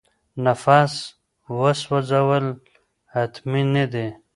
نفس وسوځول حتمي نه دي.